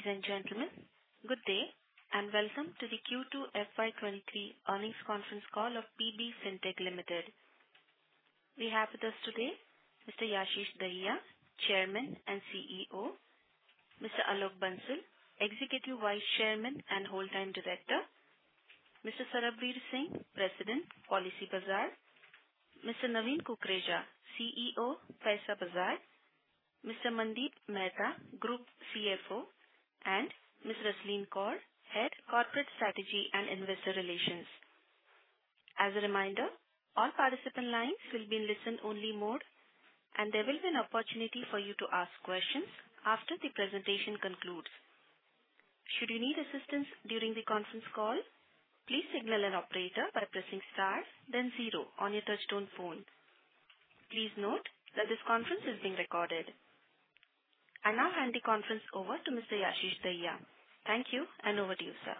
Ladies and gentlemen, good day and welcome to the Q2 FY 2023 Earnings Conference Call of PB Fintech Limited. We have with us today Mr. Yashish Dahiya, Chairman and CEO, Mr. Alok Bansal, Executive Vice Chairman and Whole Time Director, Mr. Sarbvir Singh, President, Policybazaar, Mr. Naveen Kukreja, CEO Paisabazaar, Mr. Mandeep Mehta, Group CFO, and Ms. Rasleen Kaur, Head Corporate Strategy and Investor Relations. As a reminder, all participant lines will be in listen-only mode, and there will be an opportunity for you to ask questions after the presentation concludes. Should you need assistance during the conference call, please signal an operator by pressing Star then Zero on your touchtone phone. Please note that this conference is being recorded. I now hand the conference over to Mr. Yashish Dahiya. Thank you and over to you, sir.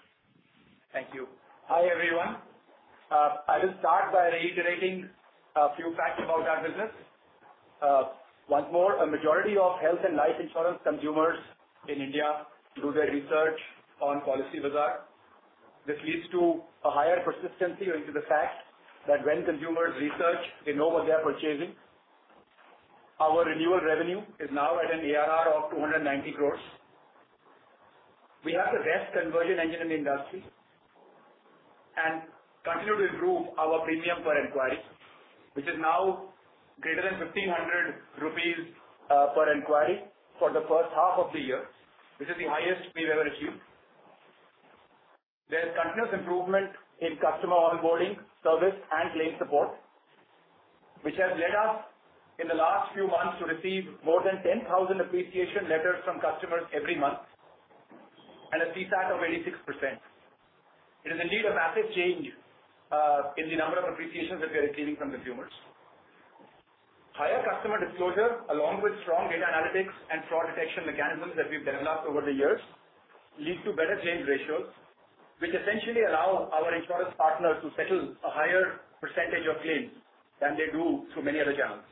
Thank you. Hi, everyone. I will start by reiterating a few facts about our business. Once more, a majority of health and life insurance consumers in India do their research on Policybazaar. This leads to a higher persistency due to the fact that when consumers research, they know what they're purchasing. Our renewal revenue is now at an ARR of 290 crores. We have the best conversion engine in the industry and continue to improve our premium per inquiry, which is now greater than 1,500 rupees per inquiry for the first half of the year. This is the highest we've ever achieved. There's continuous improvement in customer onboarding, service, and claim support, which has led us in the last few months to receive more than 10,000 appreciation letters from customers every month and a CSAT of 86%. It is indeed a massive change in the number of appreciations that we are receiving from consumers. Higher customer disclosure along with strong data analytics and fraud detection mechanisms that we've developed over the years lead to better claim ratios, which essentially allow our insurance partners to settle a higher percentage of claims than they do through many other channels.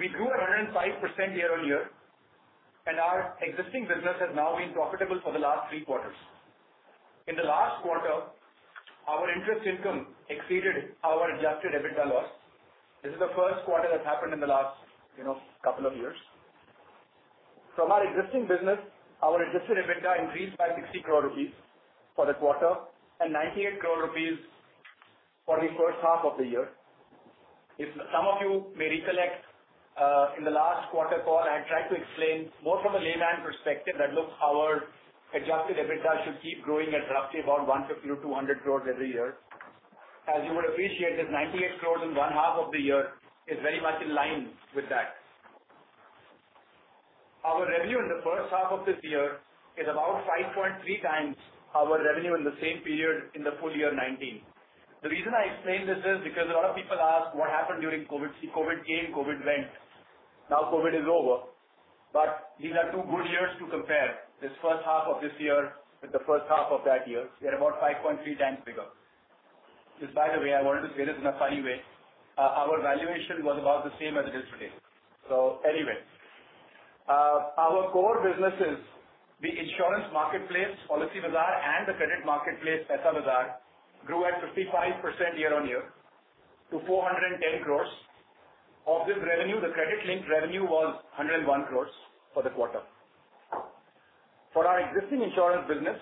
We grew 105% year-on-year, and our existing business has now been profitable for the last three quarters. In the last quarter, our interest income exceeded our Adjusted EBITDA loss. This is the first quarter that's happened in the last, you know, couple of years. From our existing business, our Adjusted EBITDA increased by 60 crore rupees for the quarter and 98 crore rupees for the first half of the year. If some of you may recollect, in the last quarter call, I tried to explain more from a layman perspective that looks our Adjusted EBITDA should keep growing at roughly about 150-200 crore every year. As you would appreciate that 98 crore in one half of the year is very much in line with that. Our revenue in the first half of this year is about 5.3x our revenue in the same period in the full year 2019. The reason I explain this is because a lot of people ask what happened during COVID. See, COVID came, COVID went. Now COVID is over. These are two good years to compare this first half of this year with the first half of that year. We are about 5.3x bigger. Which by the way, I wanted to say this in a funny way. Our valuation was about the same as it is today. Anyway. Our core businesses, the insurance marketplace, Policybazaar, and the credit marketplace, Paisabazaar, grew at 55% year-on-year to 410 crore. Of this revenue, the credit-linked revenue was 101 crore for the quarter. For our existing insurance business,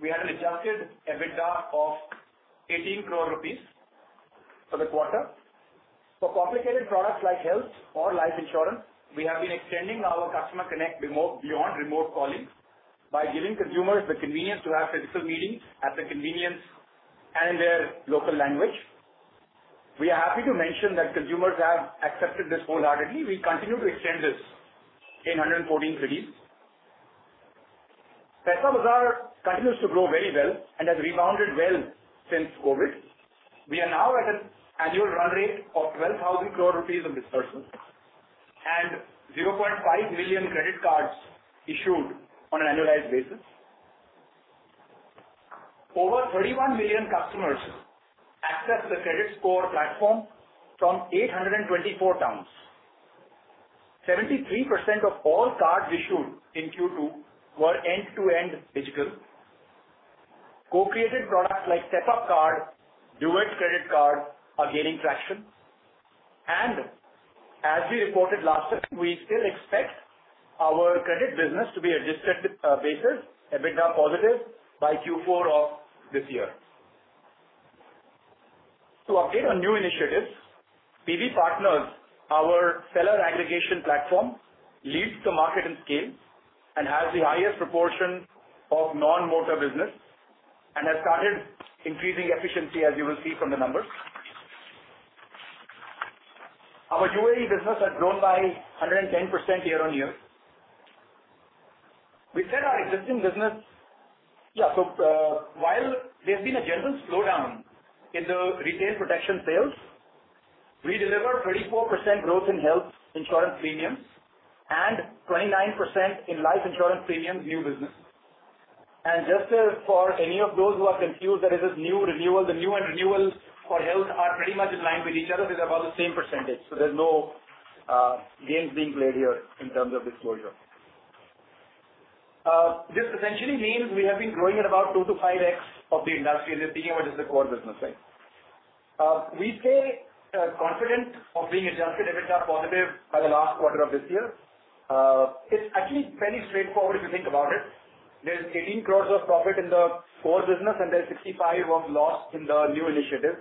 we had an Adjusted EBITDA of 18 crore rupees for the quarter. For complicated products like health or life insurance, we have been extending our customer connect remotely beyond remote calling by giving consumers the convenience to have physical meetings at their convenience and in their local language. We are happy to mention that consumers have accepted this wholeheartedly. We continue to extend this in 114 cities. Paisabazaar continues to grow very well and has rebounded well since COVID. We are now at an annual run rate of 12,000 crore rupees of disbursements and 0.5 million credit cards issued on an annualized basis. Over 31 million customers access the credit score platform from 824 towns. 73% of all cards issued in Q2 were end-to-end digital. Co-created products like Step-Up Card, Duet Credit Card are gaining traction. As we reported last quarter, we still expect our credit business to be adjusted basis EBITDA positive by Q4 of this year. To update on new initiatives, PB Partners, our seller aggregation platform, leads the market in scale and has the highest proportion of non-motor business and has started increasing efficiency, as you will see from the numbers. Our UAE business has grown by 110% year-on-year. While there's been a general slowdown in the retail protection sales, we delivered 24% growth in health insurance premiums and 29% in life insurance premiums new business. Just for any of those who are confused that it is new renewal, the new and renewal for health are pretty much in line with each other. They're about the same percentage, so there's no games being played here in terms of disclosure. This essentially means we have been growing at about 2-5x of the industry, just being able to support business side. We stay confident of being Adjusted EBITDA positive by the last quarter of this year. It's actually fairly straightforward if you think about it. There's 18 crores of profit in the core business, and there's 65 crores of loss in the new initiative.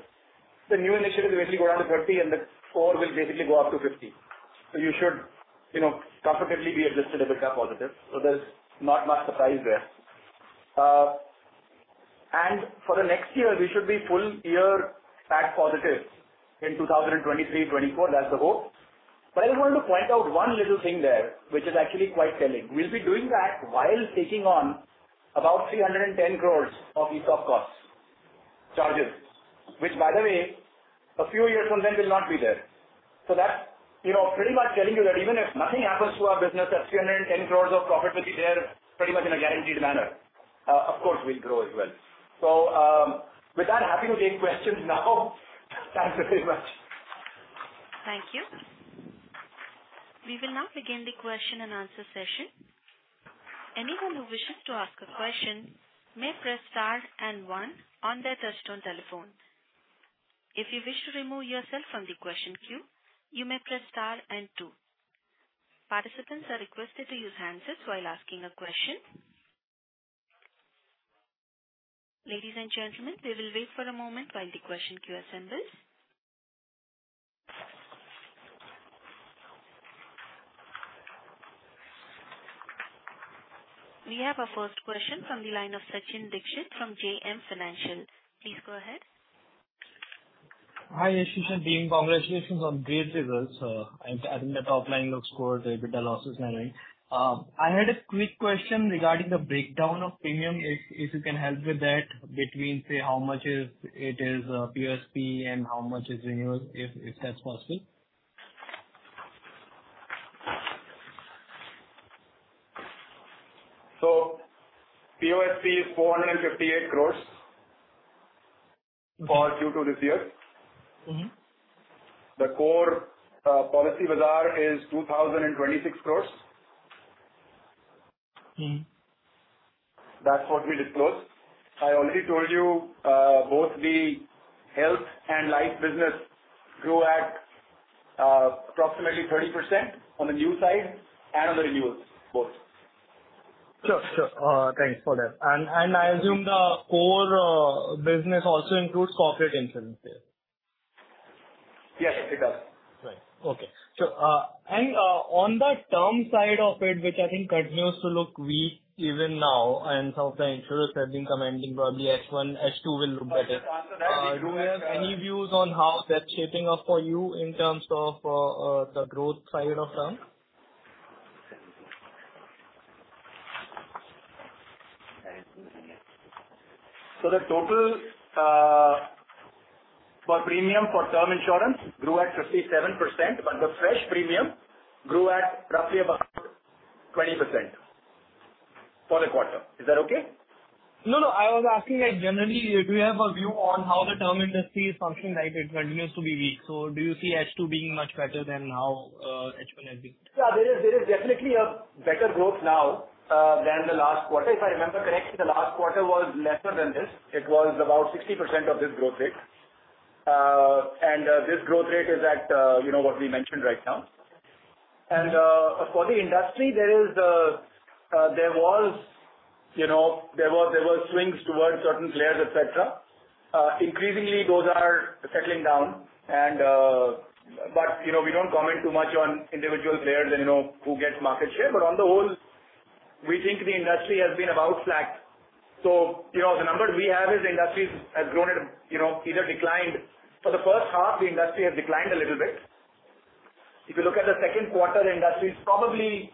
The new initiative will basically go down to 30, and the core will basically go up to 50. You should, you know, comfortably be adjusted a bit positive. There's not much surprise there. For the next year, we should be full year PAT positive in 2023-24. That's the hope. I just want to point out one little thing there, which is actually quite telling. We'll be doing that while taking on about 310 crores of ESOP costs, charges, which by the way, a few years from then will not be there. That's, you know, pretty much telling you that even if nothing happens to our business, that 310 crores of profit will be there pretty much in a guaranteed manner. Of course, we'll grow as well. With that, happy to take questions now. Thanks very much. Thank you. We will now begin the question and answer session. Anyone who wishes to ask a question may press star and one on their touch-tone telephone. If you wish to remove yourself from the question queue, you may press star and two. Participants are requested to use handsets while asking a question. Ladies and gentlemen, we will wait for a moment while the question queue assembles. We have our first question from the line of Sachin Dixit from JM Financial. Please go ahead. Hi, Yashish and team. Congratulations on great results. I think the top line looks good. The EBITDA loss is narrowing. I had a quick question regarding the breakdown of premium, if you can help with that between, say, how much is it, POSP and how much is renewal, if that's possible. POSP is 458 crores for Q2 this year. Mm-hmm. The core, Policybazaar is INR 2,026 crore. Mm-hmm. That's what we disclosed. I already told you, both the health and life business grew at approximately 30% on the new side and on the renewals, both. Sure. Thanks for that. I assume the core business also includes corporate insurance there. Yes, it does. Right. Okay. On the term side of it, which I think continues to look weak even now, and some of the insurers have been commenting probably H1, H2 will look better. I'll just answer that. Do we have any views on how that's shaping up for you in terms of the growth side of term? The total for premium for term insurance grew at 57%, but the fresh premium grew at roughly about 20% for the quarter. Is that okay? No, no. I was asking, like, generally, do you have a view on how the term industry is functioning? Like, it continues to be weak, so do you see H2 being much better than how H1 has been? Yeah. There is definitely a better growth now than the last quarter. If I remember correctly, the last quarter was lesser than this. It was about 60% of this growth rate. This growth rate is at, you know, what we mentioned right now. For the industry, there were swings towards certain players, et cetera. Increasingly, those are settling down. You know, we don't comment too much on individual players and, you know, who gets market share. On the whole, we think the industry has been about slack. You know, the numbers we have is the industry has grown at a, you know, either declined. For the first half, the industry has declined a little bit. If you look at the second quarter, the industry is probably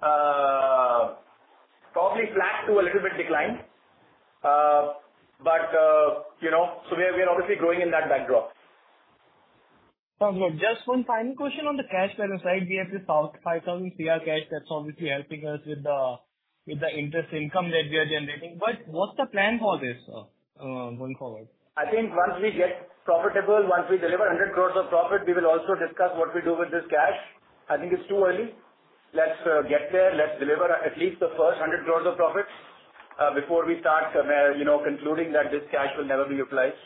flat to a little bit decline. You know, we are obviously growing in that backdrop. Sounds good. Just one final question on the cash balance side. We have this 5,000 crore cash that's obviously helping us with the interest income that we are generating. What's the plan for this going forward? I think once we get profitable, once we deliver 100 crore of profit, we will also discuss what we do with this cash. I think it's too early. Let's get there. Let's deliver at least the first 100 crore of profits before we start you know concluding that this cash will never be utilized,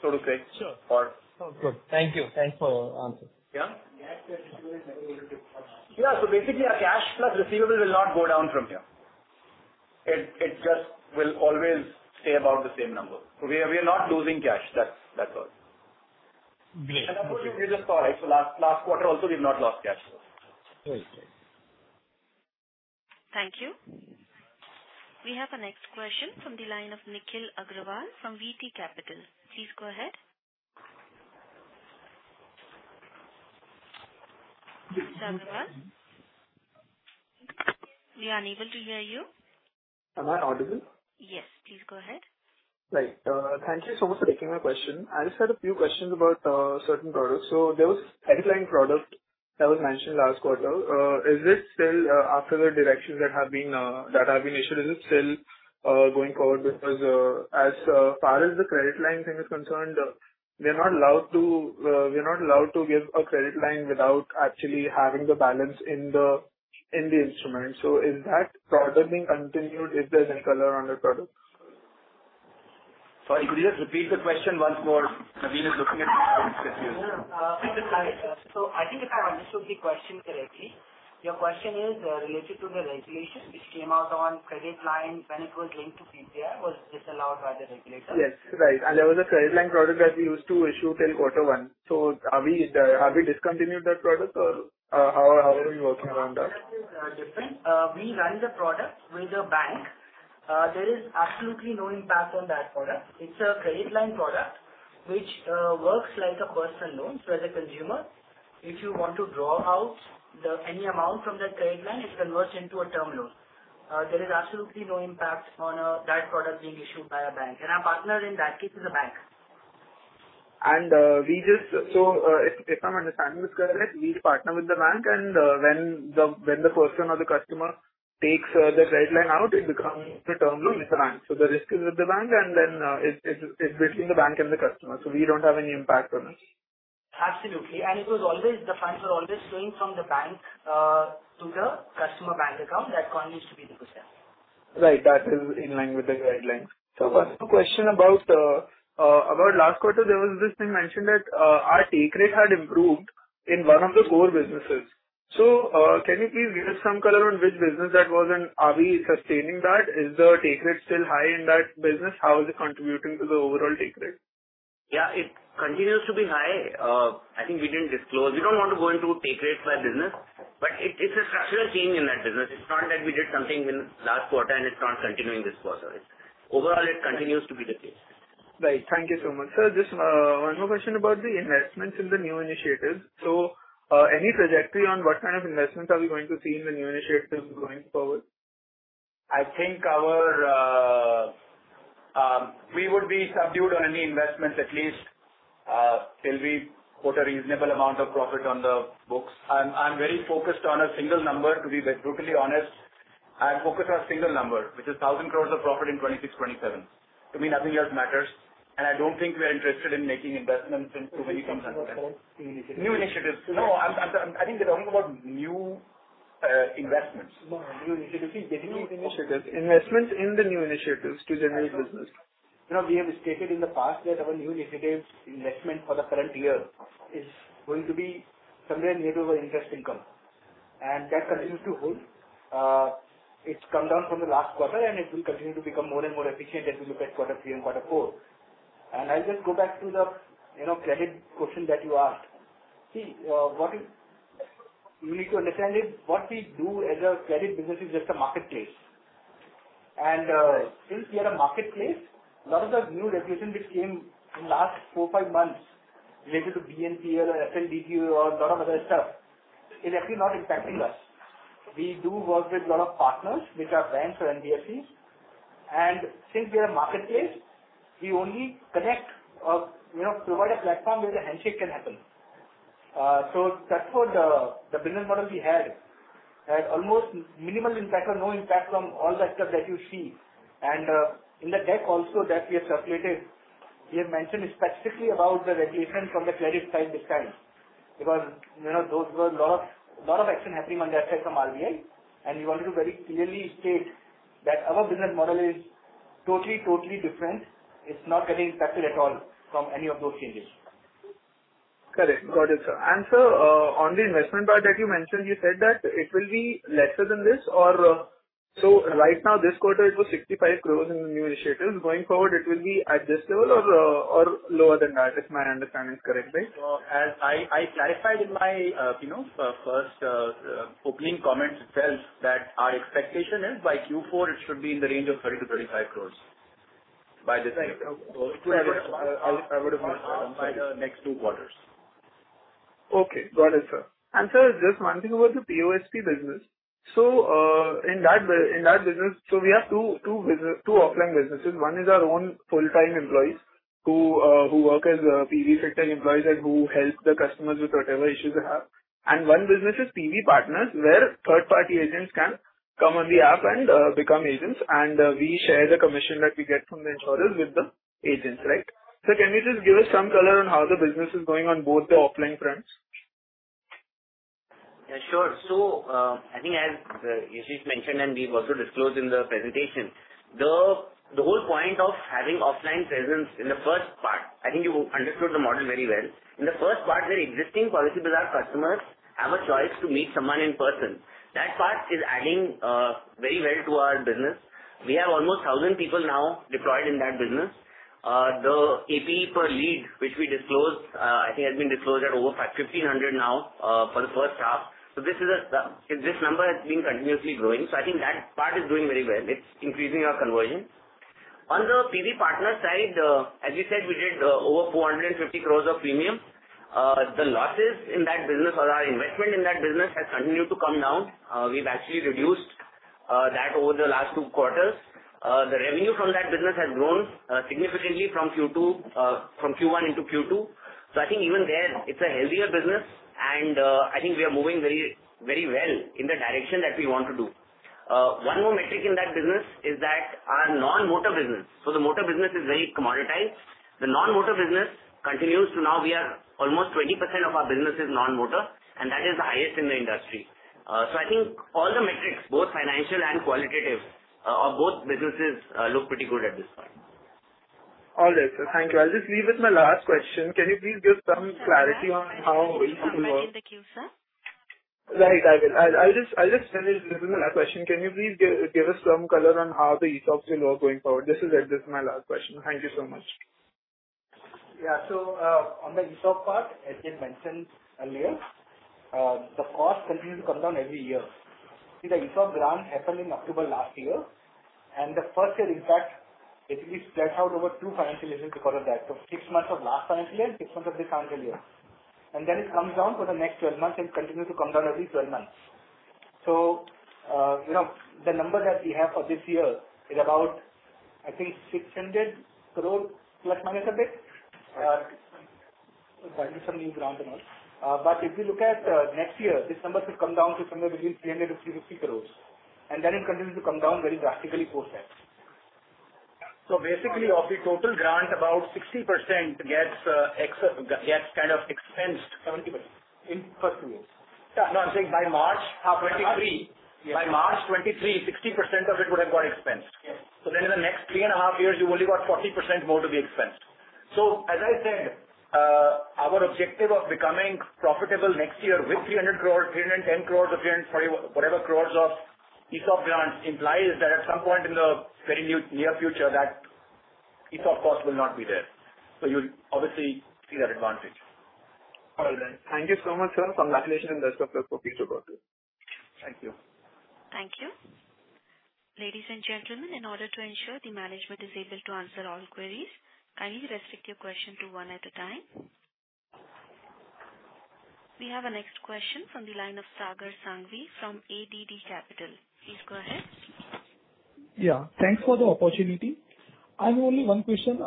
so to say. Sure. Or- Good. Thank you. Thanks for answering. Yeah. The cash that you're doing never able to- Yeah. Basically our cash plus receivable will not go down from here. It just will always stay about the same number. We are not losing cash. That's all. Great. I'm pretty sure we just saw it. Last quarter also we've not lost cash. Great. Thank you. We have our next question from the line of Nikhil Agarwal from VT Capital. Please go ahead. Mr. Agarwal? We are unable to hear you. Am I audible? Yes. Please go ahead. Right. Thank you so much for taking my question. I just had a few questions about certain products. There was a headline product that was mentioned last quarter. Is this still, after the directions that have been issued, is it still going forward? Because, as far as the credit line thing is concerned, we are not allowed to give a credit line without actually having the balance in the instrument. Is that product being continued? Is there any color on that product? Sorry, could you just repeat the question once more? Naveen is looking at me. I'm confused. No, no. Sorry, sir. I think if I understood the question correctly, your question is related to the regulation which came out on credit line when it was linked to PPI. Was this allowed by the regulator? Yes. Right. There was a credit line product that we used to issue till quarter one. So have we discontinued that product or, how are we working around that? That is different. We run the product with a bank. There is absolutely no impact on that product. It's a credit line product which works like a personal loan. As a consumer, if you want to draw out any amount from that credit line, it converts into a term loan. There is absolutely no impact on that product being issued by a bank. Our partner in that case is a bank. If my understanding is correct, we partner with the bank and, when the person or the customer takes the credit line out, it becomes a term loan with the bank. The risk is with the bank, and then, it's between the bank and the customer, so we don't have any impact on it. Absolutely. It was always the funds were always flowing from the bank to the customer bank account. That continues to be the process. Right. That is in line with the guidelines. Second question about last quarter, there was this thing mentioned that our take rate had improved in one of the core businesses. Can you please give some color on which business that was? And are we sustaining that? Is the take rate still high in that business? How is it contributing to the overall take rate? Yeah, it continues to be high. I think we didn't disclose. We don't want to go into take rates by business, but it's a structural change in that business. It's not that we did something in last quarter and it's not continuing this quarter. Overall, it continues to be the case. Right. Thank you so much. Sir, just one more question about the investments in the new initiatives. Any trajectory on what kind of investments are we going to see in the new initiatives going forward? I think we would be subdued on any investments at least till we put a reasonable amount of profit on the books. I'm very focused on a single number, to be brutally honest. I'm focused on single number, which is 1,000 crore of profit in 2026, 2027. To me, nothing else matters, and I don't think we're interested in making investments until when it comes. Investments in new initiatives. New initiatives. No, I'm, I think they're talking about new investments. No new initiatives. See, getting new initiatives, investments in the new initiatives to generate business. You know, we have stated in the past that our new initiatives investment for the current year is going to be somewhere near to our interest income, and that continues to hold. It's come down from the last quarter, and it will continue to become more and more efficient as we look at quarter three and quarter four. I'll just go back to the, you know, credit question that you asked. See, you need to understand is what we do as a credit business is just a marketplace. Since we are a marketplace, a lot of the new regulation which came in last four to five months related to BNPL or FLDG or a lot of other stuff is actually not impacting us. We do work with a lot of partners which are banks or NBFCs, and since we are a marketplace, we only connect or, you know, provide a platform where the handshake can happen. So that's what the business model we had had almost minimal impact or no impact from all that stuff that you see. In the deck also that we have circulated, we have mentioned specifically about the regulation from the credit side this time, because, you know, those were a lot of action happening on that side from RBI, and we wanted to very clearly state that our business model is totally different. It's not getting impacted at all from any of those changes. Correct. Got it, sir. Sir, on the investment part that you mentioned, you said that it will be lesser than this. Right now this quarter it was 65 crore in new initiatives. Going forward it will be at this level or lower than that, if my understanding is correct, right? As I clarified in my you know first opening comments itself that our expectation is by Q4 it should be in the range of 30 crore-35 crore by this year. Right. I would, I would've missed that one. Sorry. By the next two quarters. Okay. Got it, sir. Sir, just one thing about the POSP business. In that business, we have two offline businesses. One is our own full-time employees who work as PB sector employees and who help the customers with whatever issues they have. One business is PB Partners, where third-party agents can come on the app and become agents and we share the commission that we get from the insurers with the agents, right? Sir, can you just give us some color on how the business is going on both the offline fronts? Yeah, sure. I think as Yashish mentioned and we've also disclosed in the presentation, the whole point of having offline presence in the first part. I think you understood the model very well. In the first part where existing Policybazaar customers have a choice to meet someone in person. That part is adding very well to our business. We have almost 1,000 people now deployed in that business. The APE per lead, which we disclosed, I think has been disclosed at over 1,500 now, for the first half. This number has been continuously growing. I think that part is doing very well. It's increasing our conversion. On the PB Partners side, as you said, we did over 450 crore of premium. The losses in that business or our investment in that business has continued to come down. We've actually reduced that over the last two quarters. The revenue from that business has grown significantly from Q1 into Q2. I think even there it's a healthier business and I think we are moving very, very well in the direction that we want to do. One more metric in that business is that our non-motor business. The motor business is very commoditized. The non-motor business continues. Now we are almost 20% of our business is non-motor, and that is the highest in the industry. I think all the metrics, both financial and qualitative, of both businesses, look pretty good at this point. All right, sir. Thank you. I'll just leave with my last question. Can you please give some clarity on how it will work? Sir, next in the queue, sir. Right. I will. I'll just finish. This is my last question. Can you please give us some color on how the ESOPs will all going forward? This is it. This is my last question. Thank you so much. Yeah. On the ESOP part, as I mentioned earlier, the cost continues to come down every year. See the ESOP grant happened in October last year, and the first year, in fact, it will spread out over two financial years because of that. Six months of last financial year, six months of this financial year. Then it comes down for the next 12 months and continues to come down every 12 months. You know, the number that we have for this year is about, I think 600 crores plus minus a bit. Right. With some new grants and all. But if you look at next year, this number should come down to somewhere between 350 crore and then it continues to come down very drastically post that. Basically, of the total grant, about 60% gets kind of expensed. 70% in first two years. No, I'm saying by March 2023. By March 2023, 60% of it would have got expensed. Then in the next three and a half years, you only got 40% more to be expensed. As I said, our objective of becoming profitable next year with 300 crore, 310 crore or 340 crore whatever of ESOP grants implies that at some point in the very near future that ESOP cost will not be there. You'll obviously see that advantage. All right. Thank you so much, sir. Congratulations on the rest of your portfolio. Thank you. Thank you. Ladies and gentlemen, in order to ensure the management is able to answer all queries, kindly restrict your question to one at a time. We have our next question from the line of Sagar Sanghvi from ADD Capital. Please go ahead. Yeah, thanks for the opportunity. I have only one question.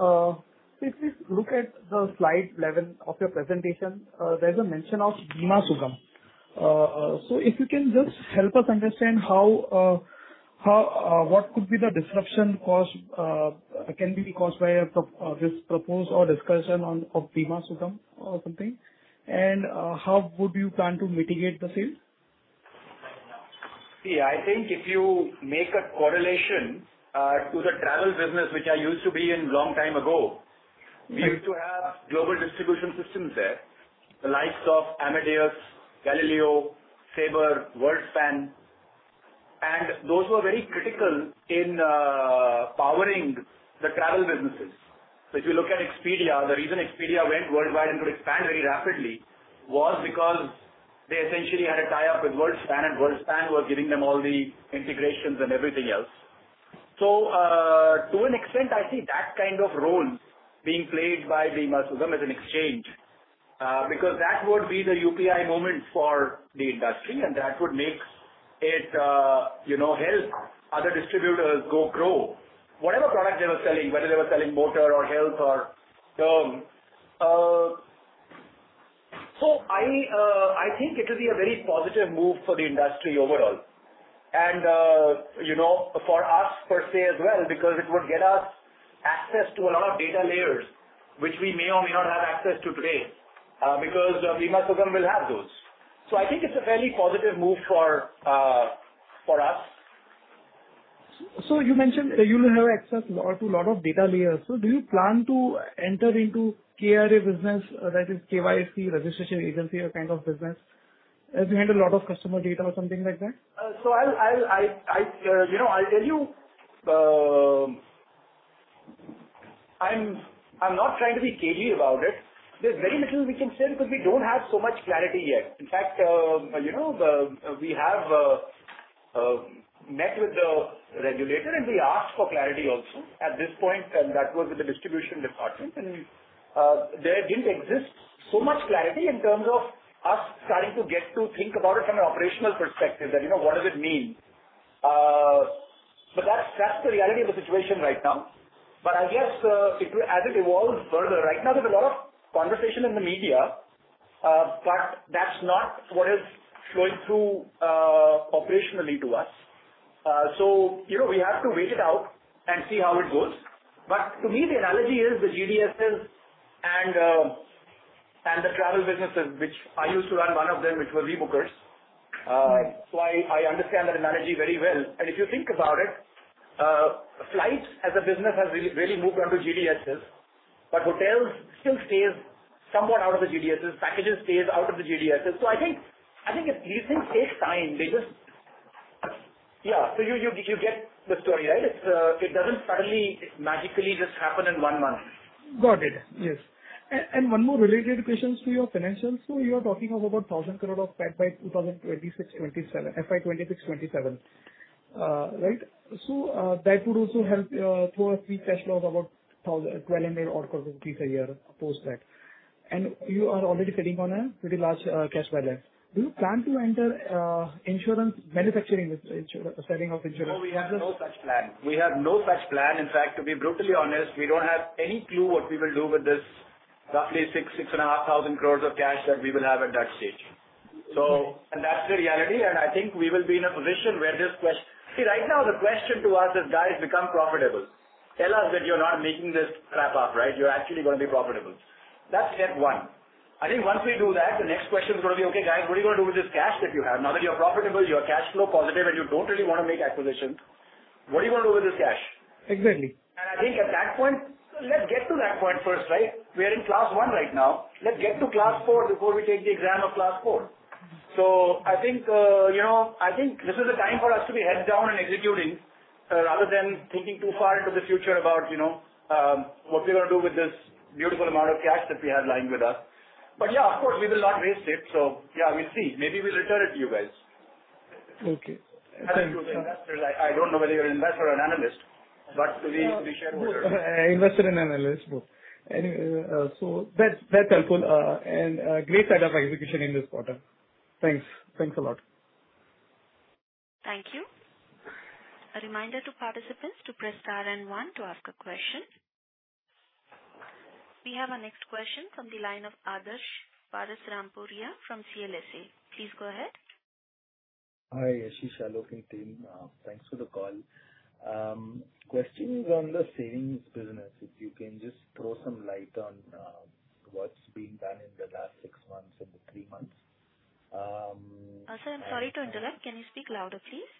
Please look at the slide 11 of your presentation. There's a mention of Bima Sugam. So if you can just help us understand how what could be the disruption cost can be caused by the proposed Bima Sugam or something? How would you plan to mitigate the same? I think if you make a correlation to the travel business, which I used to be in a long time ago, we used to have global distribution systems there, the likes of Amadeus, Galileo, Sabre, Worldspan, and those were very critical in powering the travel businesses. If you look at Expedia, the reason Expedia went worldwide and could expand very rapidly was because they essentially had a tie-up with Worldspan, and Worldspan was giving them all the integrations and everything else. To an extent, I see that kind of role being played by Bima Sugam as an exchange, because that would be the UPI moment for the industry and that would make it, you know, help other distributors grow. Whatever product they were selling, whether they were selling motor or health or term. I think it will be a very positive move for the industry overall and, you know, for us per se as well because it would get us access to a lot of data layers which we may or may not have access to today, because Bima Sugam will have those. I think it's a fairly positive move for us. You mentioned you'll have access to a lot of data layers. Do you plan to enter into KRA business, that is KYC registration agency kind of business as you had a lot of customer data or something like that? I'll tell you know, I'm not trying to be cagey about it. There's very little we can say because we don't have so much clarity yet. In fact, we met with the regulator, and we asked for clarity also at this point, and that was with the distribution department. There didn't exist so much clarity in terms of us starting to get to think about it from an operational perspective and what does it mean. That's the reality of the situation right now. I guess as it evolves further, right now there's a lot of conversation in the media, but that's not what is flowing through operationally to us. You know, we have to wait it out and see how it goes. To me, the analogy is the GDSs and the travel businesses, which I used to run one of them, which was ebookers. I understand that analogy very well. If you think about it, flights as a business has really moved onto GDSs, but hotels still stays somewhat out of the GDSs. Packages stays out of the GDSs. I think these things take time. They just. You get the story, right? It doesn't suddenly magically just happen in one month. Got it. Yes. One more related question to your financials. You're talking of about 1,000 crore of PAT by 2026, 2027. FY 2026, 2027. That would also help throw a free cash flow of about 12 million or 14 million a year post that. You are already sitting on a pretty large cash balance. Do you plan to enter insurance manufacturing with selling of insurance? No, we have no such plan. In fact, to be brutally honest, we don't have any clue what we will do with this roughly 6,000-6,500 crore of cash that we will have at that stage. That's the reality, and I think we will be in a position. See, right now the question to us is guys become profitable. Tell us that you're not making this crap up, right? You're actually gonna be profitable. That's step one. I think once we do that, the next question is gonna be, "Okay, guys, what are you gonna do with this cash that you have? Now that you're profitable, you're cash flow positive, and you don't really wanna make acquisitions, what are you gonna do with this cash? Exactly. I think at that point, let's get to that point first, right? We are in class one right now. Let's get to class four before we take the exam of class four. I think, you know, I think this is the time for us to be heads down and executing, rather than thinking too far into the future about, you know, what we're gonna do with this beautiful amount of cash that we have lying with us. Yeah, of course, we will not waste it. Yeah, we'll see. Maybe we'll return it to you guys. Okay. To the investors. I don't know whether you're an investor or an analyst, but to the shareholder. Investor and analyst, both. That's helpful. Great set of execution in this quarter. Thanks. Thanks a lot. Thank you. A reminder to participants to press star and one to ask a question. We have our next question from the line of Adarsh Parasrampuria from CLSA. Please go ahead. Hi, Yashish. Alok and team. Thanks for the call. Question is on the savings business. If you can just throw some light on what's been done in the last six months or the three months. Sir, I'm sorry to interrupt. Can you speak louder, please?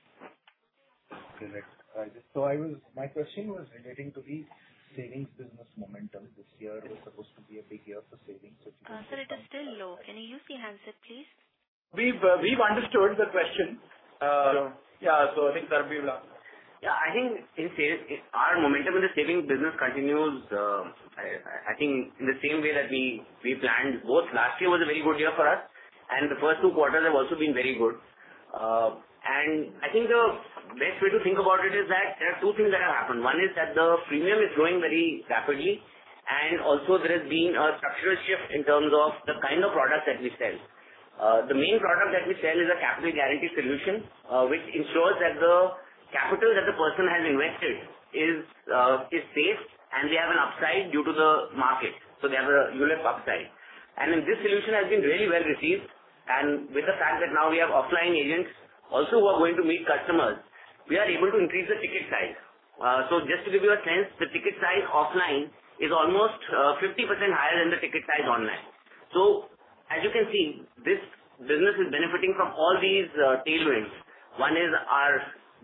Correct. My question was relating to the savings business momentum. This year was supposed to be a big year for savings. Sir, it is still low. Can you use the handset, please? We've understood the question. Sure. Yeah. I think Sarbvir will answer. Yeah. I think in sales, our momentum in the savings business continues, I think in the same way that we planned. Both last year was a very good year for us, and the first two quarters have also been very good. I think the best way to think about it is that there are two things that have happened. One is that the premium is growing very rapidly, and also there has been a structural shift in terms of the kind of products that we sell. The main product that we sell is a capital guarantee solution, which ensures that the capital that the person has invested is safe and we have an upside due to the market. So they have a ULIP upside. This solution has been really well received. With the fact that now we have offline agents also who are going to meet customers, we are able to increase the ticket size. Just to give you a sense, the ticket size offline is almost 50% higher than the ticket size online. As you can see, this business is benefiting from all these tailwinds. One is our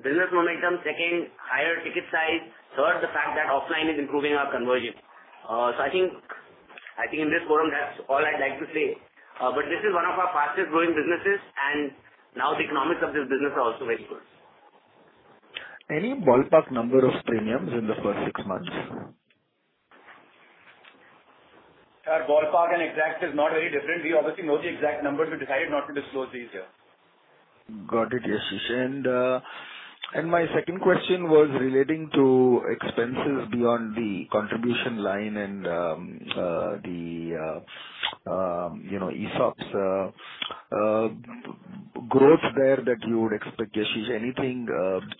business momentum. Second, higher ticket size. Third, the fact that offline is improving our conversion. I think in this forum that's all I'd like to say. This is one of our fastest growing businesses and now the economics of this business are also very good. Any ballpark number of premiums in the first six months? Sir, ballpark and exact is not very different. We obviously know the exact numbers. We decided not to disclose these here. Got it, Yashish. My second question was relating to expenses beyond the contribution line and, you know, ESOPs growth there that you would expect, Yashish. Anything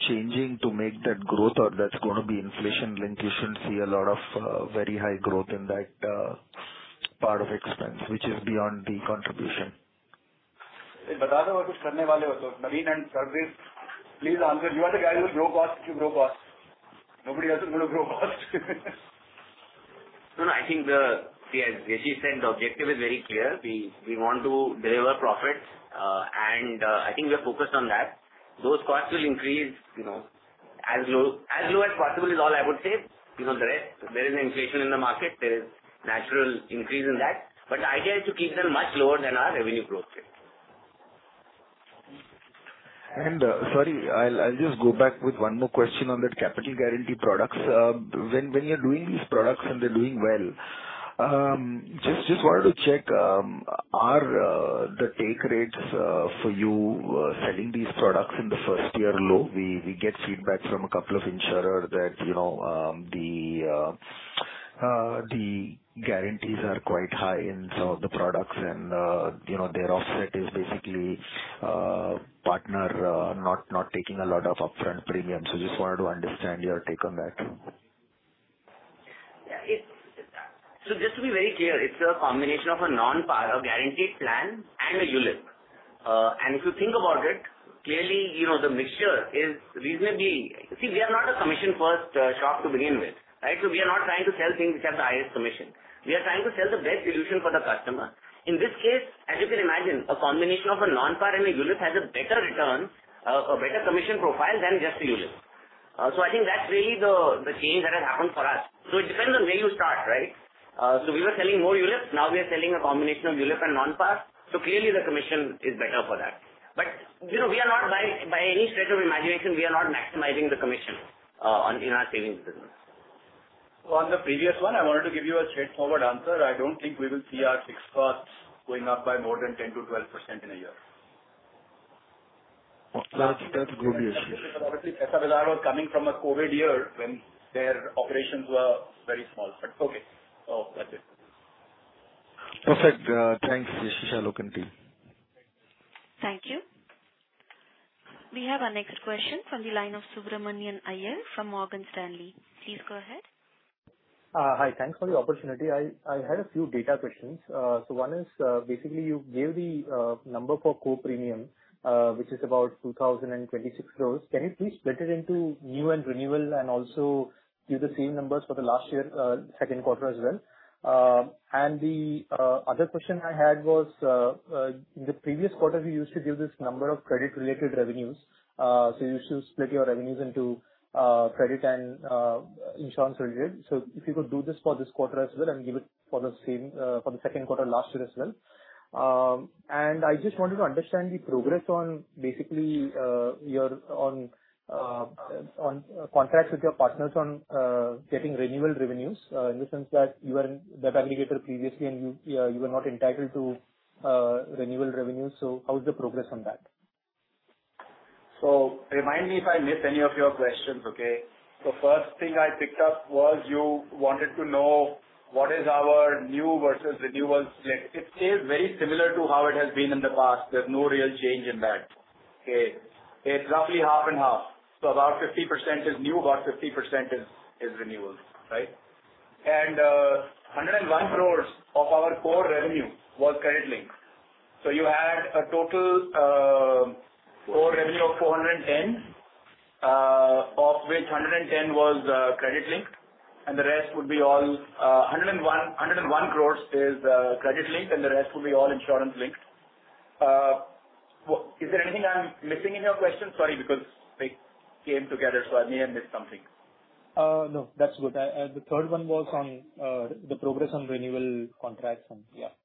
changing to make that growth or that's gonna be inflation linked, we shouldn't see a lot of very high growth in that part of expense which is beyond the contribution. Naveen and Sarbvir, please answer. You are the guys who grow costs. You grow costs. Nobody else is gonna grow costs. No, no. I think. See, as Yashish said, the objective is very clear. We want to deliver profits. I think we are focused on that. Those costs will increase, you know, as low as possible is all I would say because there is an inflation in the market. There is natural increase in that. The idea is to keep them much lower than our revenue growth rate. Sorry, I'll just go back with one more question on that capital guaranteed products. When you're doing these products and they're doing well, just wanted to check, are the take rates for you selling these products in the first year low? We get feedback from a couple of insurers that, you know, the guarantees are quite high in some of the products and, you know, their offset is basically partners not taking a lot of upfront premium. Just wanted to understand your take on that. Yeah. It's so just to be very clear, it's a combination of a non-par guaranteed plan and a ULIP. And if you think about it, clearly, you know, the mixture is reasonably. See, we are not a commission first shop to begin with, right? We are not trying to sell things which have the highest commission. We are trying to sell the best solution for the customer. In this case, as you can imagine, a combination of a non-par and a ULIP has a better return, a better commission profile than just a ULIP. I think that's really the change that has happened for us. It depends on where you start, right? We were selling more ULIPs. Now we are selling a combination of ULIP and non-par. Clearly the commission is better for that. You know, we are not by any stretch of imagination, we are not maximizing the commission in our savings business. On the previous one, I wanted to give you a straightforward answer. I don't think we will see our fixed costs going up by more than 10%-12% in a year. Okay. Obviously, Paisabazaar was coming from a COVID year when their operations were very small. Okay. That's it. Perfect. Thanks, Yashish, Alok, and team. Thank you. We have our next question from the line of Subramanian Iyer from Morgan Stanley. Please go ahead. Hi. Thanks for the opportunity. I had a few data questions. One is, basically you gave the number for GWP, which is about 2,026 crores. Can you please split it into new and renewal and also give the same numbers for the last year, second quarter as well? The other question I had was, in the previous quarter, you used to give this number of credit-related revenues. You used to split your revenues into credit and insurance-related. If you could do this for this quarter as well and give it for the same for the second quarter last year as well. I just wanted to understand the progress on basically your contracts with your partners on getting renewal revenues, in the sense that you were a debt aggregator previously and you are not entitled to renewal revenues. How is the progress on that? Remind me if I missed any of your questions. Okay. First thing I picked up was you wanted to know what is our new versus renewals split. It stays very similar to how it has been in the past. There's no real change in that. Okay. It's roughly half and half. About 50% is new, about 50% is renewals, right. 101 crore of our core revenue was credit linked. You had a total core revenue of 410 crore, of which 110 crore was credit linked, and the rest would be all insurance linked. 101 crore is credit linked, and the rest will be all insurance linked. Is there anything I'm missing in your question? Sorry, because they came together, so I may have missed something. No, that's good. The third one was on the progress on renewal contracts and yeah.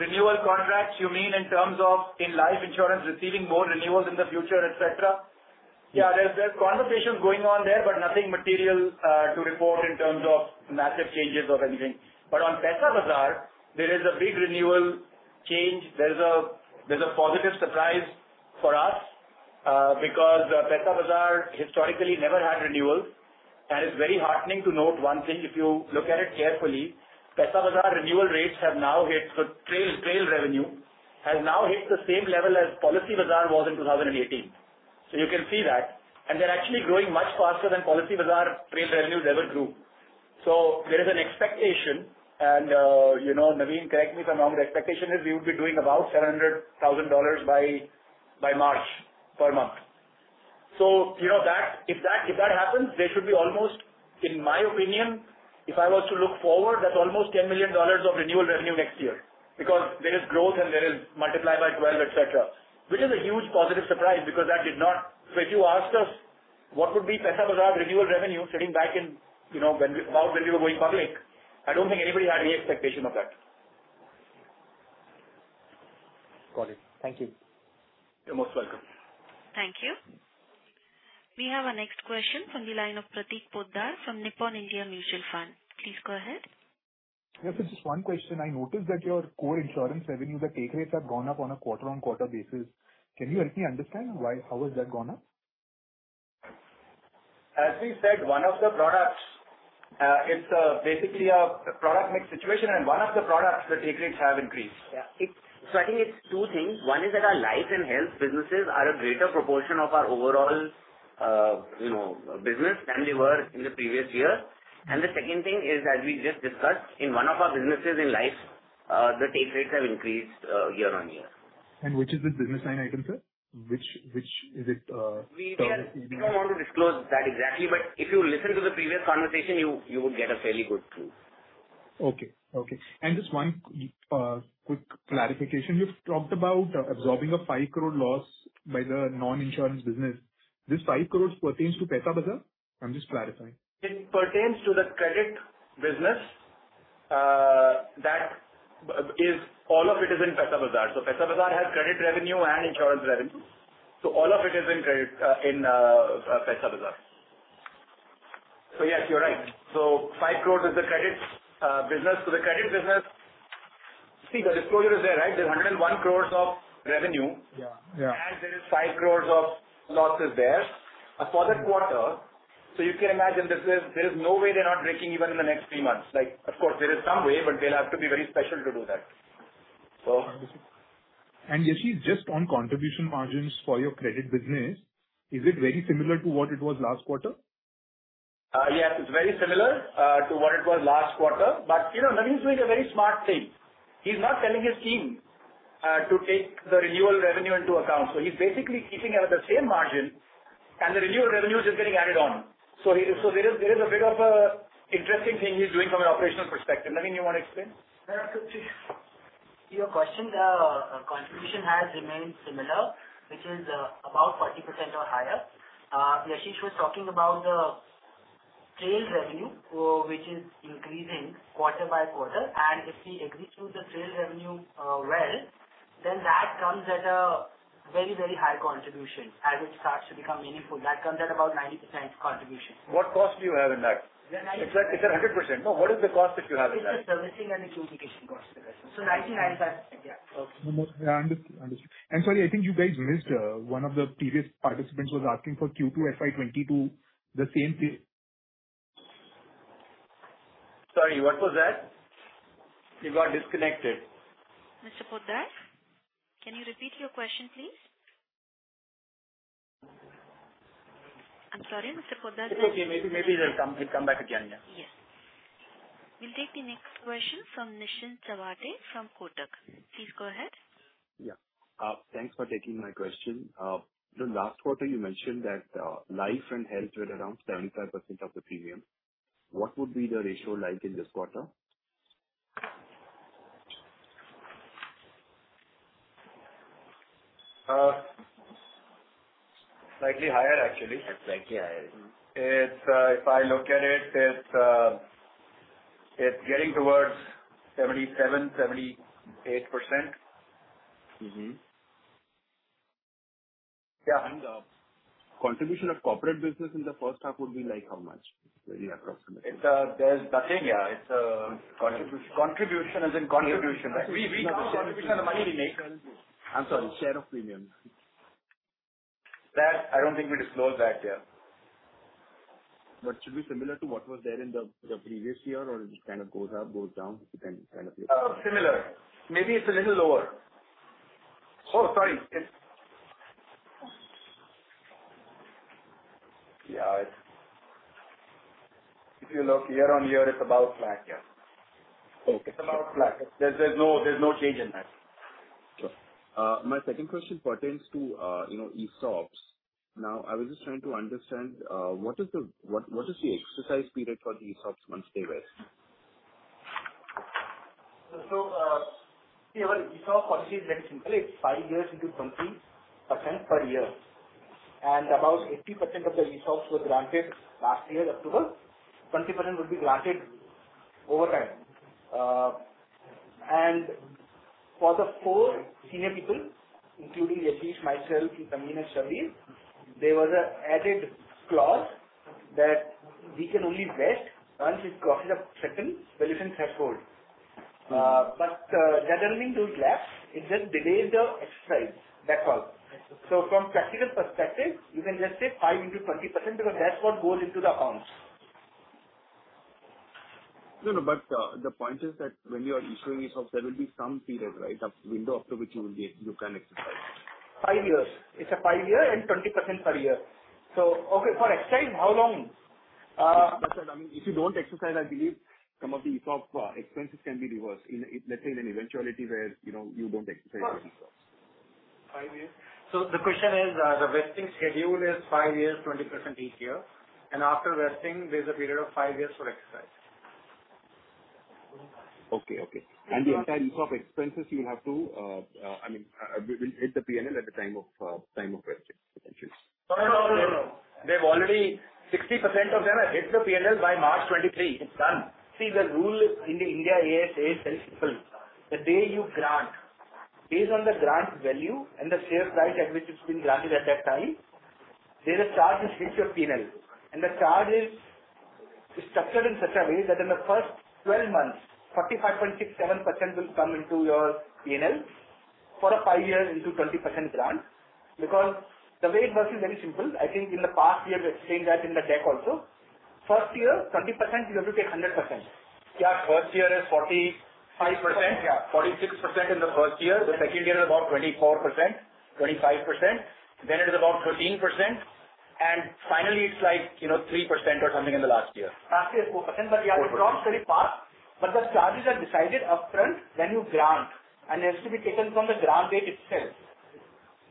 Renewal contracts you mean in terms of in life insurance receiving more renewals in the future, etc.? Yes. Yeah. There's conversations going on there, but nothing material to report in terms of massive changes of anything. On Paisabazaar, there is a big renewal change. There's a positive surprise for us, because Paisabazaar historically never had renewals. It's very heartening to note one thing if you look at it carefully. Paisabazaar renewal rates have now hit the trail revenue has now hit the same level as Policybazaar was in 2018. You can see that. They're actually growing much faster than Policybazaar trail revenues ever grew. There is an expectation and, you know, Naveen, correct me if I'm wrong, the expectation is we would be doing about $700,000 by March per month. You know that if that happens, they should be almost, in my opinion, if I was to look forward, that's almost $10 million of renewal revenue next year because there is growth and there is multiply by twelve, et cetera. Which is a huge positive surprise. If you asked us what would be Paisabazaar renewal revenue sitting back in, you know, when we were going public, I don't think anybody had any expectation of that. Got it. Thank you. You're most welcome. Thank you. We have our next question from the line of Prateek Poddar from Nippon India Mutual Fund. Please go ahead. Yes, just one question. I noticed that your core insurance revenues, the take rates, have gone up on a quarter-over-quarter basis. Can you help me understand why, how has that gone up? As we said, one of the products, it's basically a product mix situation and one of the products, the take rates have increased. Yeah. I think it's two things. One is that our life and health businesses are a greater proportion of our overall business than they were in the previous year. The second thing is, as we just discussed in one of our businesses in life, the take rates have increased year-on-year. Which is this business line item, sir? Which is it? We don't want to disclose that exactly, but if you listen to the previous conversation, you would get a fairly good clue. Okay. Just one quick clarification. You've talked about absorbing an 5 crore loss by the non-insurance business. This 5 crore pertains to Paisabazaar? I'm just clarifying. It pertains to the credit business. That is, all of it is in Paisabazaar. Paisabazaar has credit revenue and insurance revenue. All of it is in credit in Paisabazaar. Yes, you're right. 5 crore is the credit business. The credit business, see the disclosure is there, right? There's 101 crore of revenue. Yeah. Yeah. There is 5 crore of losses there for that quarter. You can imagine there's no way they're not breaking even in the next three months. Like, of course, there is some way, but they'll have to be very special to do that. Yashish, just on contribution margins for your credit business, is it very similar to what it was last quarter? Yes, it's very similar to what it was last quarter. You know, Naveen's doing a very smart thing. He's not telling his team to take the renewal revenue into account. He's basically keeping it at the same margin and the renewal revenue is just getting added on. There is a bit of a interesting thing he's doing from an operational perspective. Naveen, you want to explain? To your question, the contribution has remained similar, which is about 40% or higher. Yashish was talking about the trail revenue, which is increasing quarter by quarter. If we execute the trail revenue, That comes at a very high contribution as it starts to become meaningful. That comes at about 90% contribution. What cost do you have in that? The 90%. It's 100%. No, what is the cost that you have in that? It's the servicing and the duplication cost of the customer. So 95%. No, I understand. I'm sorry, I think you guys missed, one of the previous participants was asking for Q2 FY 2022 the same. Sorry, what was that? You got disconnected. Mr. Poddar, can you repeat your question, please? I'm sorry, Mr. Poddar. It's okay. Maybe he'll come back again, yeah. Yes. We'll take the next question from Nishant Jhawar from Kotak. Please go ahead. Yeah. Thanks for taking my question. The last quarter you mentioned that, life and health were around 75% of the premium. What would be the ratio like in this quarter? Slightly higher actually. Slightly higher. It's if I look at it's getting towards 77%-78%. Mm-hmm. Yeah. Contribution of corporate business in the first half would be like how much? Very approximately. There's nothing, yeah. Contribution. Contribution as in contribution. We count contribution the money we make. I'm sorry, share of premium. That I don't think we disclose that yet. Should be similar to what was there in the previous year or it kind of goes up, goes down? Yeah, it's. If you look year-over-year, it's about flat, yeah. Okay. It's about flat. There's no change in that. Sure. My second question pertains to, you know, ESOPs. Now, I was just trying to understand what is the exercise period for the ESOPs once they vest? See our ESOP policy is very simple. It's five years into 20% per year. About 80% of the ESOPs were granted last year October. 20% will be granted over time. For the four senior people, including myself and Sameer and Shaleen, there was an added clause that we can only vest once it crosses a certain valuation threshold. Mm-hmm. that doesn't mean those lapse. It just delays the exercise. That's all. I see. From practical perspective you can just say five into 20% because that's what goes into the accounts. No, the point is that when you are issuing ESOPs, there will be some period right up window after which you can exercise. five years. It's a five year and 20% per year. Okay, for exercise how long? That's what I mean. If you don't exercise, I believe some of the ESOP expenses can be reversed in, let's say, in eventuality where, you know, you don't exercise your ESOPs. Five years. The question is, the vesting schedule is five years, 20% each year, and after vesting there's a period of five years for exercise. Okay. The entire ESOP expenses you will have to, I mean, will hit the P&L at the time of vesting, I assume. No, no, no. They've already 60% of them have hit the P&L by March 2023. It's done. See, the rule in the Ind AS is simple. The day you grant based on the grant value and the share price at which it's been granted at that time, there the charges hit your P&L and the charge is structured in such a way that in the first 12 months 45.67% will come into your P&L for a five years into 20% grant. Because the way it works is very simple. I think in the past we have explained that in the deck also. First year, 20% you have to take 100%. Yeah. First year is 45%. Yeah. 46% in the first year. Yes. The second year is about 24%, 25%, then it is about 13%. Finally it's like, you know, 3% or something in the last year. Last year 4%. We have to cross very fast. The charges are decided upfront when you grant and it has to be taken from the grant date itself.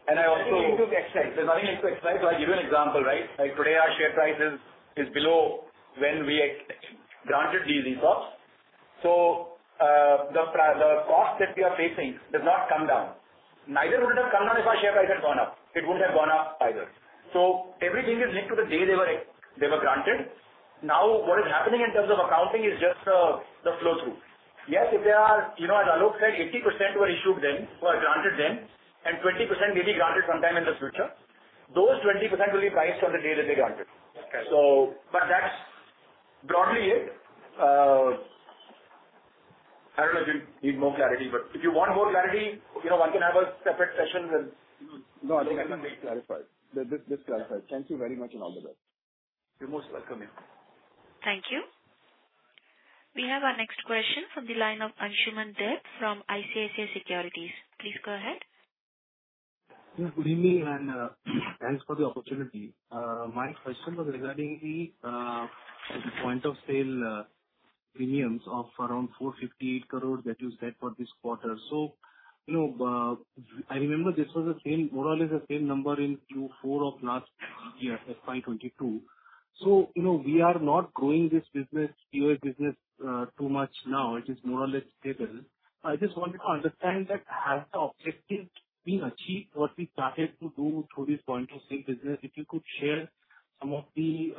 I also into exercise. There's nothing into exercise. I'll give you an example, right? Like today our share price is below when we granted these ESOPs. The cost that we are facing does not come down. Neither would it have come down if our share price had gone up. It wouldn't have gone up either. Everything is linked to the day they were granted. Now what is happening in terms of accounting is just the flow through. Yes, if they are, you know, as Alok said, 80% were issued then, were granted then, and 20% may be granted sometime in the future. Those 20% will be priced on the day that they granted. Okay. That's broadly it. I don't know if you need more clarity, but if you want more clarity, you know, one can have a separate session with- No, I think that's clarified. This clarifies. Thank you very much and all the best. You're most welcome here. Thank you. We have our next question from the line of Ansuman Deb from ICICI Securities. Please go ahead. Yeah, good evening and thanks for the opportunity. My question was regarding the point of sale premiums of around 458 crores that you said for this quarter. You know, I remember this was the same, more or less the same number in Q4 of last year, FY 2022. You know, we are not growing this business, PO business, too much now. It is more or less stable. I just wanted to understand that has the objective been achieved what we started to do through this point of sale business. If you could share some of the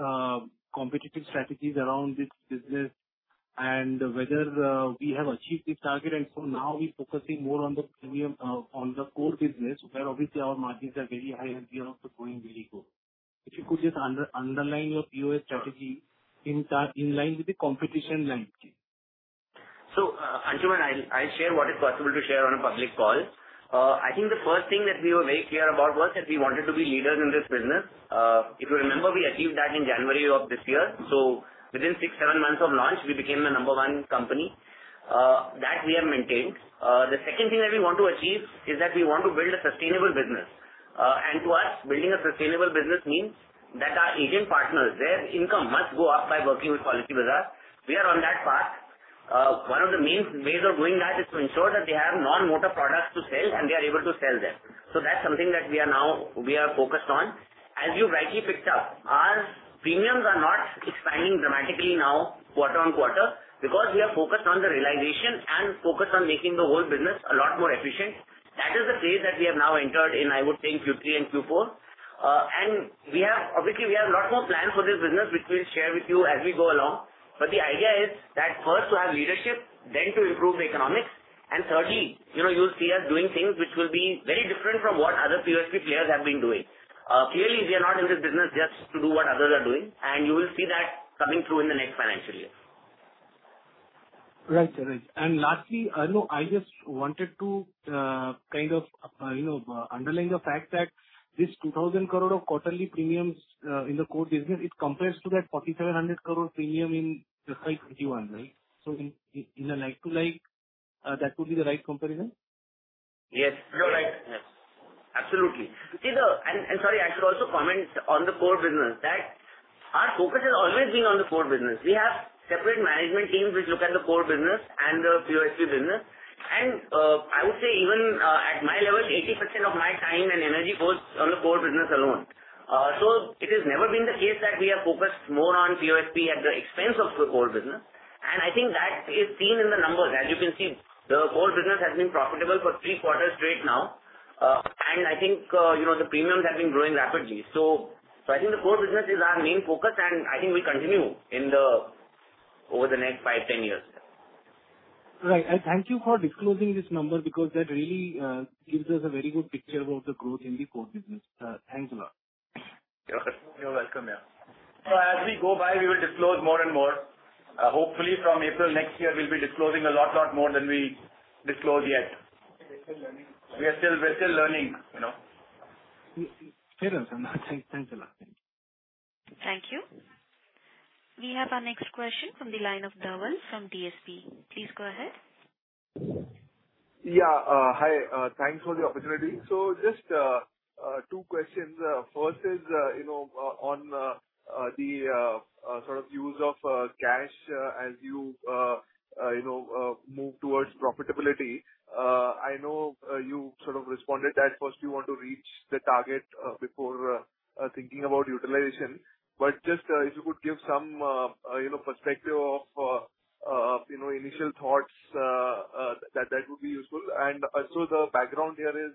competitive strategies around this business. Whether we have achieved this target and so now we're focusing more on the premium, on the core business where obviously our margins are very high and we are also growing very good. If you could just underline your POS strategy to start, in line with the competitive landscape? Ansuman, I'll share what is possible to share on a public call. I think the first thing that we were very clear about was that we wanted to be leaders in this business. If you remember, we achieved that in January of this year. Within six to seven months of launch we became the number one company. That we have maintained. The second thing that we want to achieve is that we want to build a sustainable business. To us, building a sustainable business means that our agent partners, their income must go up by working with Policybazaar. We are on that path. One of the means, ways of doing that is to ensure that they have non-motor products to sell and they are able to sell them. That's something that we are focused on. As you rightly picked up, our premiums are not expanding dramatically now quarter on quarter because we are focused on the realization and focused on making the whole business a lot more efficient. That is the phase that we have now entered in, I would say in Q3 and Q4. We have, obviously, a lot more plans for this business which we'll share with you as we go along. The idea is that first to have leadership, then to improve the economics. Thirdly, you know, you'll see us doing things which will be very different from what other POSP players have been doing. Clearly we are not in this business just to do what others are doing, and you will see that coming through in the next financial year. Right. Lastly, I know I just wanted to, kind of, you know, underline the fact that this 2,000 crore of quarterly premiums in the core business, it compares to that 4,700 crore premium in fiscal 2021, right? In a like-to-like, that would be the right comparison? Yes. You're right. Yes. Absolutely. Sorry, I should also comment on the core business that our focus has always been on the core business. We have separate management teams which look at the core business and the POSP business. I would say even at my level, 80% of my time and energy goes on the core business alone. So it has never been the case that we are focused more on POSP at the expense of the core business. I think that is seen in the numbers. As you can see, the core business has been profitable for three quarters straight now. I think you know, the premiums have been growing rapidly. So I think the core business is our main focus and I think we continue in the over the next 5, 10 years. Right. Thank you for disclosing this number because that really gives us a very good picture about the growth in the core business. Thanks a lot. You're welcome. Yeah. As we go by we will disclose more and more. Hopefully from April next year we'll be disclosing a lot more than we disclose yet. We're still learning. We're still learning, you know. Mm-hmm. Fair enough. I think thanks a lot. Thank you. We have our next question from the line of Douglas from DSP. Please go ahead. Yeah. Hi. Thanks for the opportunity. So just two questions. First is, you know, on the sort of use of cash as you know, move towards profitability. I know you sort of responded that first you want to reach the target before thinking about utilization. Just if you could give some, you know, perspective of, you know, initial thoughts that would be useful. Also the background here is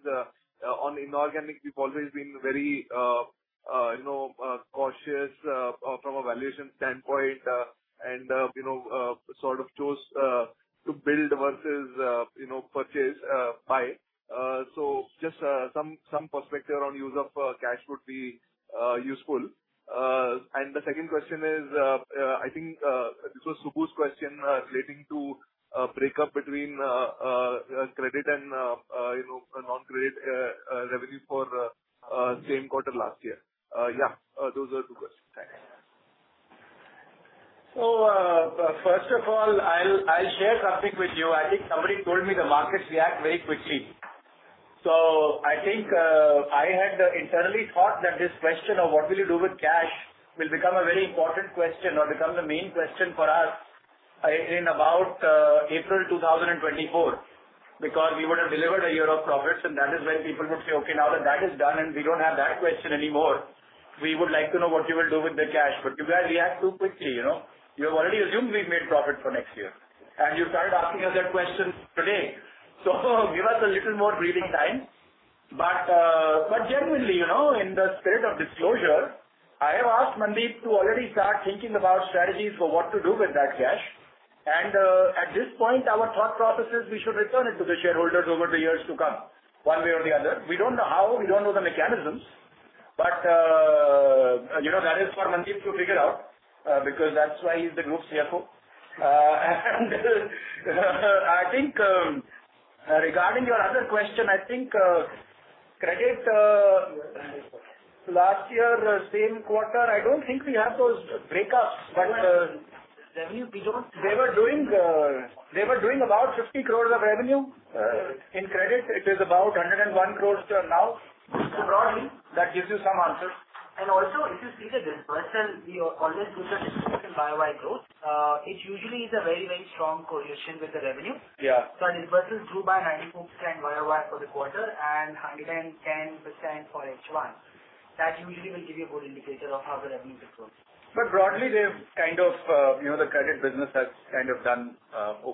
on inorganic we've always been very, you know, cautious from a valuation standpoint. You know sort of chose to build versus, you know, purchase, buy. Just some perspective on use of cash would be useful. The second question is, I think this was Subbu's question, relating to breakup between credit and, you know, non-credit revenue for same quarter last year. Those are two questions. Thanks. First of all, I'll share something with you. I think somebody told me the markets react very quickly. I think I had internally thought that this question of what will you do with cash will become a very important question or become the main question for us in about April 2024. Because we would have delivered a year of profits, and that is when people would say, "Okay, now that that is done and we don't have that question anymore, we would like to know what you will do with the cash." You guys react too quickly, you know? You have already assumed we've made profit for next year, and you've started asking us that question today. Give us a little more breathing time. Generally, you know, in the spirit of disclosure, I have asked Mandeep to already start thinking about strategies for what to do with that cash. At this point our thought process is we should return it to the shareholders over the years to come, one way or the other. We don't know how, we don't know the mechanisms, you know, that is for Mandeep to figure out, because that's why he's the Group CFO. I think, regarding your other question, I think, credit, last year same quarter, I don't think we have those breakups. Revenue we don't have. They were doing about 50 crores of revenue. In credit it is about 101 crores till now. Broadly that gives you some answers. Also if you see the disbursal, we always do the disbursal Y-o-Y growth. It usually is a very, very strong correlation with the revenue. Yeah. Disbursals grew by 94% Y-o-Y for the quarter and 110% for H1. That usually will give you a good indicator of how the revenue grows. Broadly they've kind of, you know, the credit business has kind of done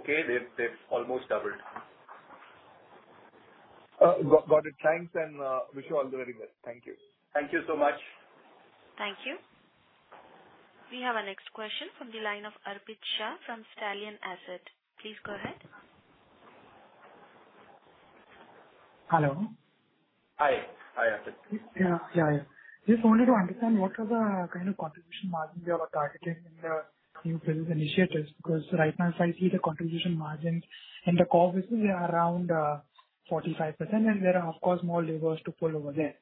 okay. They've almost doubled. Got it. Thanks, and wish you all the very best. Thank you. Thank you so much. Thank you. We have our next question from the line of Arpit Shah from Stallion Asset. Please go ahead. Hello. Hi. Hi, Arpit. Just wanted to understand what are the kind of contribution margin we are targeting in the new business initiatives, because right now, if I see the contribution margin in the core business, they are around 45% and there are of course more levers to pull over there.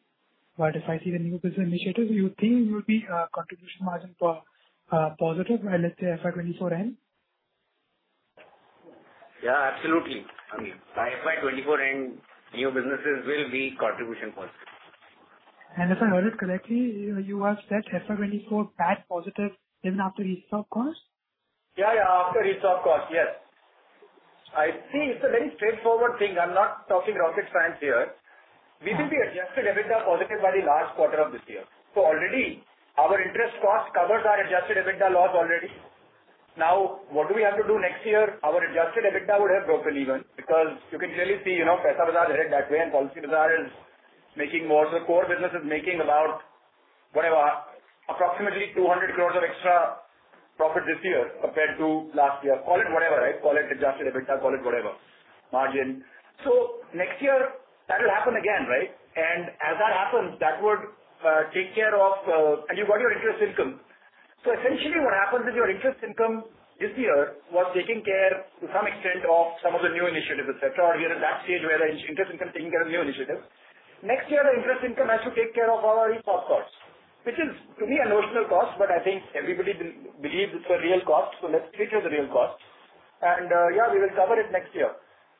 But if I see the new business initiatives, you think it will be contribution margin positive by let's say FY 2024 end? Yeah, absolutely. I mean, by FY 2024 end, new businesses will be contribution positive. If I heard it correctly, you have said FY 2024 PAT positive even after ESOP cost? Yeah. Yeah. After ESOP cost, yes. I think it's a very straightforward thing. I'm not talking rocket science here. We will be Adjusted EBITDA positive by the last quarter of this year. Already our interest cost covers our Adjusted EBITDA loss already. Now, what do we have to do next year? Our Adjusted EBITDA would have broken even because you can clearly see, you know, Paisabazaar headed that way and Policybazaar is making more. Core business is making about whatever, approximately 200 crore of extra profit this year compared to last year. Call it whatever, right? Call it Adjusted EBITDA, call it whatever margin. Next year that will happen again, right? As that happens, that would take care of. You've got your interest income. Essentially what happens is your interest income this year was taking care to some extent of some of the new initiatives, et cetera. We are in that stage where interest income is taking care of new initiatives. Next year, the interest income has to take care of our ESOP costs, which is to me a notional cost, but I think everybody believes it's a real cost, so let's treat it as a real cost. We will cover it next year.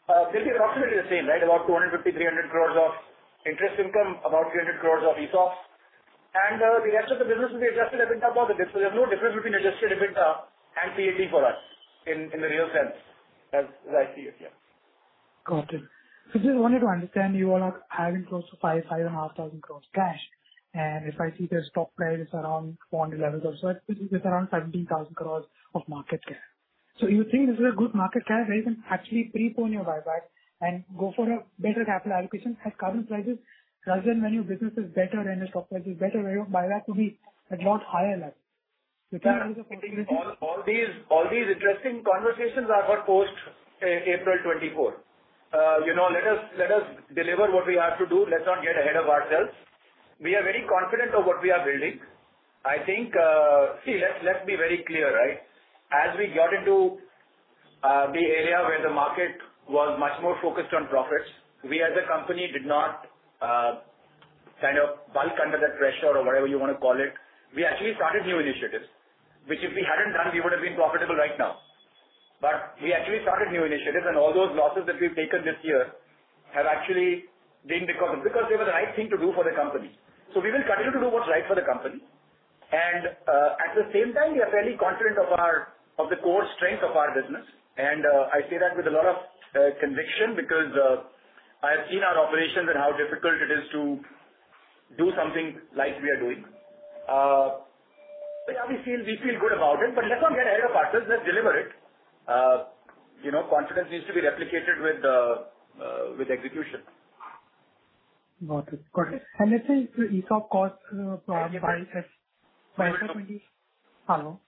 It will be approximately the same, right? About 250-300 crores of interest income, about 300 crores of ESOPs, and the rest of the business will be Adjusted EBITDA positive. There's no difference between Adjusted EBITDA and PAT for us in the real sense as I see it. Got it. Just wanted to understand, you all are having close to 5-5.5 thousand crores cash. If I see the stock price is around 400 levels or so, it's around 17,000 crores of market cap. You think this is a good market cap where you can actually prepone your buyback and go for a better capital allocation at current prices rather than when your business is better and your stock price is better where your buyback will be at a lot higher level. You can use the opportunity. All these interesting conversations are for post-April 2024. You know, let us deliver what we have to do. Let's not get ahead of ourselves. We are very confident of what we are building. I think. See, let's be very clear, right? As we got into the area where the market was much more focused on profits, we as a company did not kind of buckle under that pressure or whatever you wanna call it. We actually started new initiatives, which if we hadn't done, we would have been profitable right now. We actually started new initiatives and all those losses that we've taken this year have actually been recovered because they were the right thing to do for the company. We will continue to do what's right for the company. At the same time, we are fairly confident of the core strength of our business. I say that with a lot of conviction because I have seen our operations and how difficult it is to do something like we are doing. Yeah, we feel good about it, but let's not get ahead of ourselves. Let's deliver it. You know, confidence needs to be replicated with execution. Got it. Let's say if the ESOP cost by- Yeah. Hello?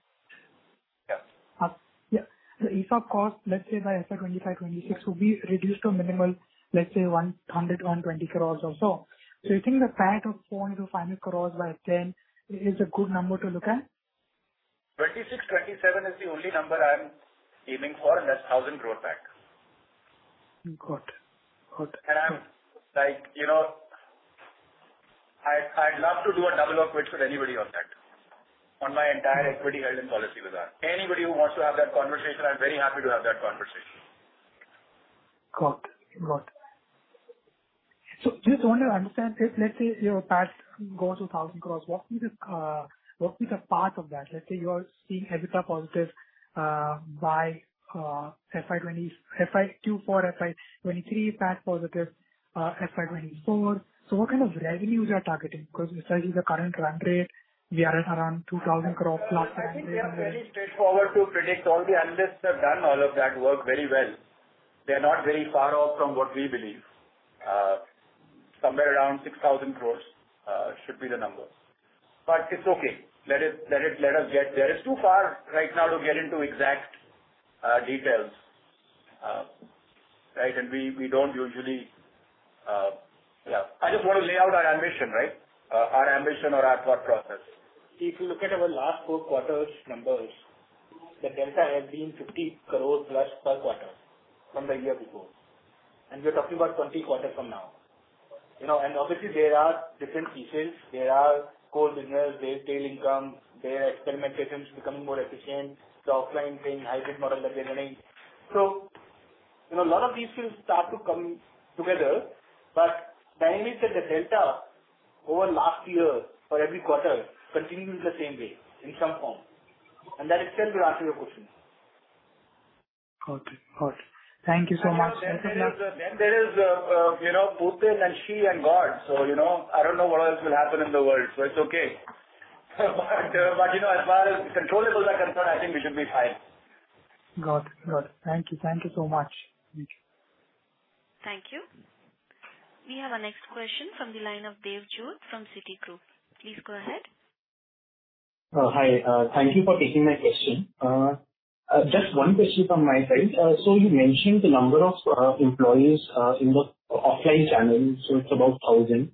Yeah. Yeah. The ESOP cost, let's say by FY 2025-2026 will be reduced to minimal, let's say 100-120 crore or so. You think the PAT of 400 crore-500 crore by then is a good number to look at? 26-27 is the only number I'm aiming for, and that's thousand growth PAT. Got it. Got it. I'm like, you know, I'd love to do a double or quit with anybody on that, on my entire equity guidance policy with that. Anybody who wants to have that conversation, I'm very happy to have that conversation. Got it. Just want to understand if, let's say, your PAT goes to 1,000 crore, what is the path of that? Let's say you are seeing EBITDA positive by FY 2024, FY 2023 PAT positive, FY 2024. What kind of revenue you are targeting? Because besides the current run rate, we are at around 2,000 crore last time. I think we are very straightforward to predict. All the analysts have done all of that work very well. They're not very far off from what we believe. Somewhere around 6,000 crores should be the number. It's okay. Let it let us get there. It's too far right now to get into exact details. Right? We don't usually. I just want to lay out our ambition, right? Our ambition or our thought process. If you look at our last four quarters numbers, the delta has been 50 crores plus per quarter from the year before. We're talking about 20 quarters from now. You know, obviously there are different pieces. There are core business, there's tail income, there are experimentations becoming more efficient, the offline thing, hybrid model that we're running. you know, a lot of these things start to come together. The only thing, the delta over last year for every quarter continues the same way in some form. That itself will answer your question. Got it. Thank you so much. There is, you know, Putin and Xi and God. You know, I don't know what else will happen in the world, so it's okay. You know, as far as controllables are concerned, I think we should be fine. Got it. Thank you so much. Thank you. We have our next question from the line of Dave Judd from Citigroup. Please go ahead. Hi. Thank you for taking my question. Just one question from my side. You mentioned the number of employees in the offline channel, so it's about 1,000.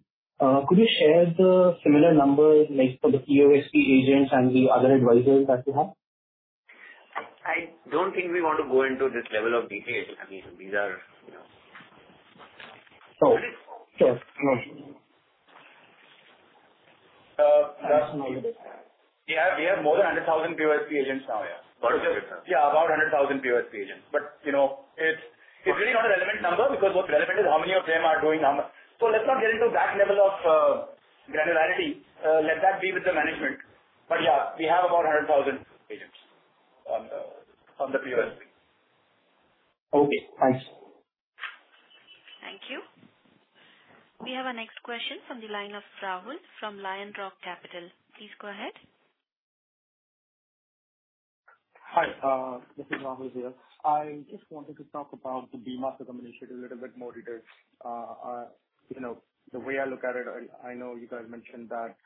Could you share the similar number like for the POSP agents and the other advisors that you have? I don't think we want to go into this level of detail. I mean, these are, you know. Sure. No. that's We have more than 100,000 POSP agents now, yeah. Okay. Yeah, about 100,000 POSP agents. You know, it's really not a relevant number because what's relevant is how many of them are doing how much. Let's not get into that level of granularity. Let that be with the management. Yeah, we have about 100,000 agents on the POSP. Okay, thanks. Thank you. We have our next question from the line of Rahul from LionRock Capital. Please go ahead. Hi, this is Rahul here. I just wanted to talk about the Bima Sugam, combination a little bit more detail. You know, the way I look at it, I know you guys mentioned that,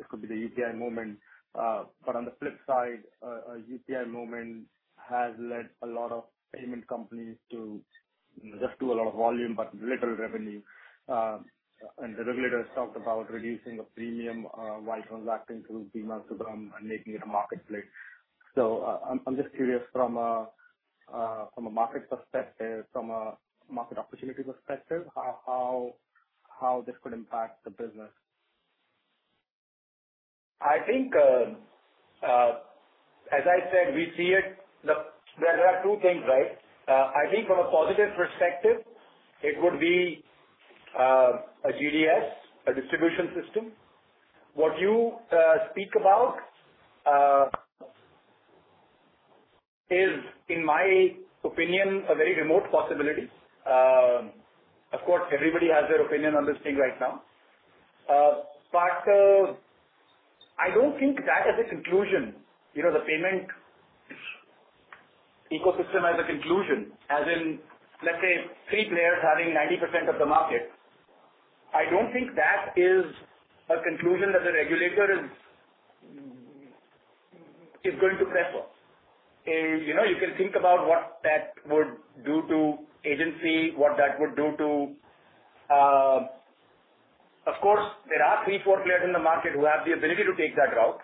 it could be the UPI moment. But on the flip side, a UPI moment has led a lot of payment companies to just do a lot of volume but little revenue. And the regulators talked about reducing a premium, while transacting through Bima Sugam, and making it a marketplace. I'm just curious from a market perspective, from a market opportunity perspective, how this could impact the business. I think, as I said, we see it. Look, there are two things, right? I think from a positive perspective, it could be a GDS, a distribution system. What you speak about is, in my opinion, a very remote possibility. Of course, everybody has their opinion on this thing right now. I don't think that as a conclusion, you know, the payment ecosystem as a conclusion, as in, let's say, three players having 90% of the market. I don't think that is a conclusion that the regulator is going to prefer. You know, you can think about what that would do to agency, what that would do to. Of course, there are three, four players in the market who have the ability to take that route.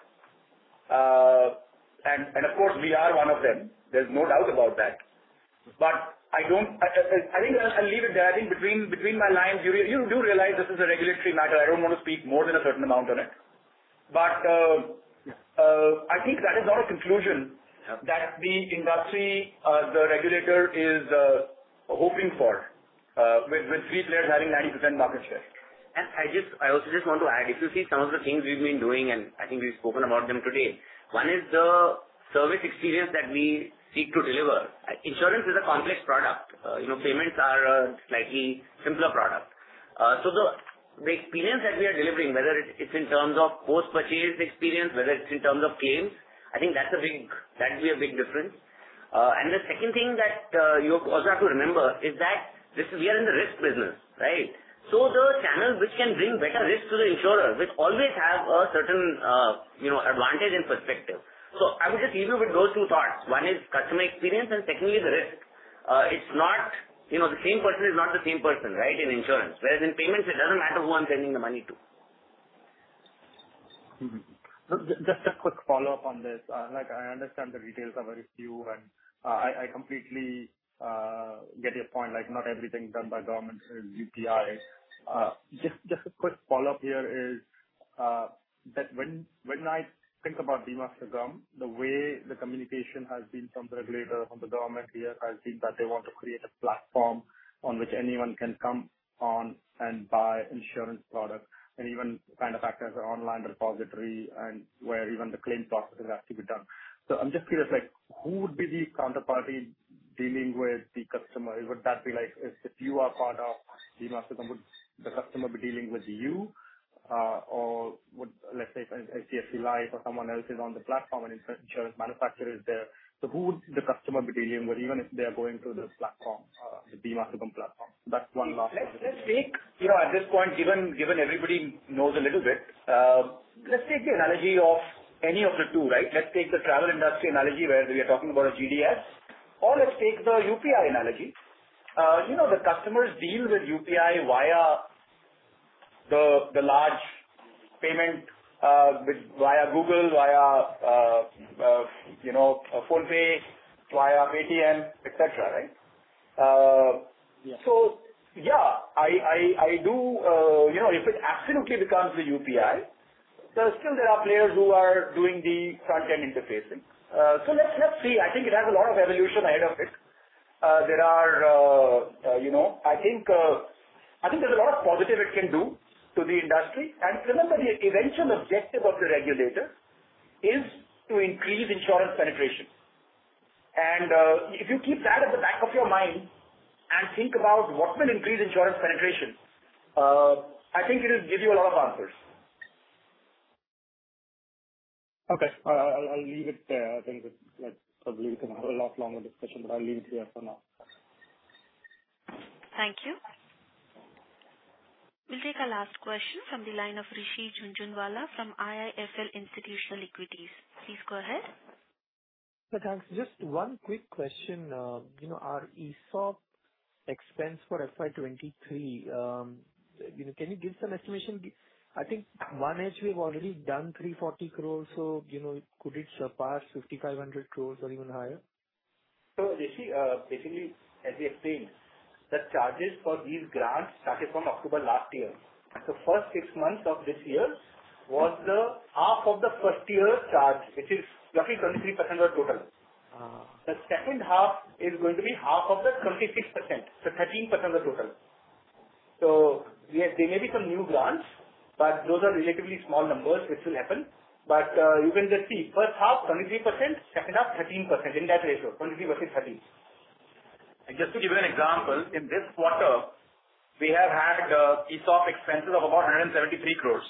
Of course, we are one of them. There's no doubt about that. I think I'll leave it there. I think between my lines, you do realize this is a regulatory matter. I don't want to speak more than a certain amount on it. I think that is not a conclusion that the industry, the regulator is hoping for, with three players having 90% market share. I also just want to add, if you see some of the things we've been doing, and I think we've spoken about them today, one is the service experience that we seek to deliver. Insurance is a complex product. You know, payments are a slightly simpler product. So the experience that we are delivering, whether it's in terms of post-purchase experience, whether it's in terms of claims, I think that will be a big difference. The second thing that you also have to remember is that this is. We are in the risk business, right? So the channel which can bring better risk to the insurer, which always have a certain, you know, advantage in perspective. I would just leave you with those two thoughts. One is customer experience, and secondly is the risk. It's not, you know, the same person is not the same person, right? In insurance. Whereas in payments, it doesn't matter who I'm sending the money to. Just a quick follow-up on this. Like I understand the details are very few, and I completely get your point, like not everything done by government is UPI. Just a quick follow-up here is that when I think about BHIM-Aadhaar, the way the communication has been from the regulator, from the government here has been that they want to create a platform on which anyone can come on and buy insurance products and even kind of act as an online repository and where even the claim processes have to be done. I'm just curious, like, who would be the counterparty dealing with the customer? Would that be like if you are part of BHIM-Aadhaar, would the customer be dealing with you? Would, let's say, if HDFC Life or someone else is on the platform and insurance manufacturer is there. Who would the customer be dealing with even if they're going through this platform, the BHIM-Aadhaar platform? That's one last question. Let's take, you know, at this point, given everybody knows a little bit, let's take the analogy of any of the two, right? Let's take the travel industry analogy where we are talking about a GDS, or let's take the UPI analogy. You know, the customers deal with UPI via the large payment with via Google, via you know PhonePe, via Paytm, etc., right? Yeah. Yeah. I do, you know, if it absolutely becomes the UPI, there still are players who are doing the front-end interfacing. Let's see. I think it has a lot of evolution ahead of it. There are, you know, I think there's a lot of positives it can do to the industry. If you keep that at the back of your mind and think about what will increase insurance penetration, I think it'll give you a lot of answers. Okay. I'll leave it there. I think it's, like, probably it can have a lot longer discussion, but I'll leave it there for now. Thank you. We'll take our last question from the line of Rishi Jhunjhunwala from IIFL Institutional Equities. Please go ahead. Thanks. Just one quick question. You know, our ESOP expense for FY 2023, you know, can you give some estimation? I think we actually have already done 340 crores. You know, could it surpass 5,500 crores or even higher? Rishi, basically, as we explained, the charges for these grants started from October last year. The first six months of this year was the half of the first year charge, which is roughly 23% of the total. Uh. The second half is going to be half of the 26%, so 13% of the total. Yes, there may be some new grants, but those are relatively small numbers which will happen. You can just see first half, 23%; second half, 13%. In that ratio, 23 versus 13. Just to give you an example, in this quarter, we have had ESOP expenses of about 173 crore.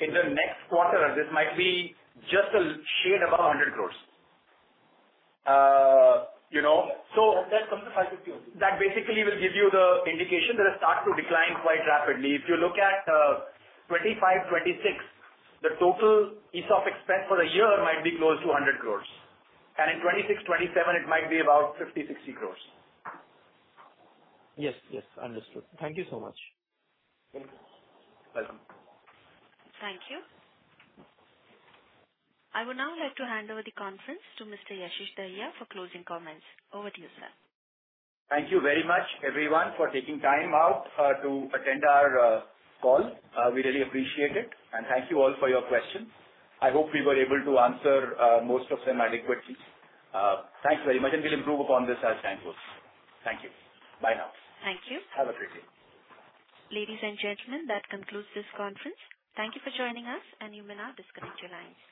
In the next quarter, this might be just a shade above 100 crore. You know, so that comes to 550 crore. That basically will give you the indication that it start to decline quite rapidly. If you look at 2025, 2026, the total ESOP expense for the year might be close to 100 crore and in 2026, 2027 it might be about 50 crore-60 crore. Yes. Yes. Understood. Thank you so much. Thank you. Welcome. Thank you. I would now like to hand over the conference to Mr. Yashish Dahiya for closing comments. Over to you, sir. Thank you very much everyone for taking time out to attend our call. We really appreciate it, and thank you all for your questions. I hope we were able to answer most of them adequately. Thanks very much, and we'll improve upon this as time goes. Thank you. Bye now. Thank you. Have a great day. Ladies and gentlemen, that concludes this conference. Thank you for joining us, and you may now disconnect your lines.